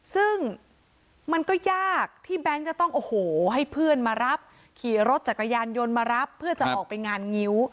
ซึ่งมันก็ยากที่แบงค์จะต้องโอ้โหให้เพื่อนมารับขี่รถจักรยานยนต์มารับเพื่อจะออกไปงานงิ้ว